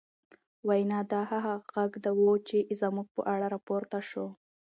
وينا، دا هغه غږ و، چې زموږ په اړه راپورته شو